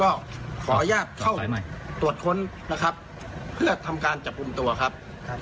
ก็ขออนุญาตเข้าตรวจค้นนะครับเพื่อทำการจับกลุ่มตัวครับ